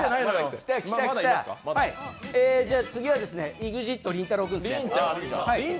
次はですね、ＥＸＩＴ・りんたろーですね。